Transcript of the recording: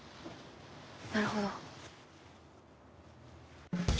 なるほど。